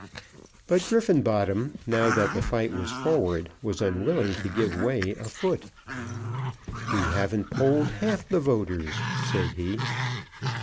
But Griffenbottom, now that the fight was forward, was unwilling to give way a foot. "We haven't polled half the voters," said he.